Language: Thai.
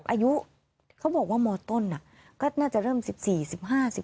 อายุเขาบอกว่ามต้นก็น่าจะเริ่ม๑๔๑๕๑๖